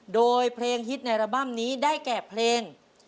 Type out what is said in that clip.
โดยเพลงฮิตในอัลบั้มนี้ได้แก่เพลง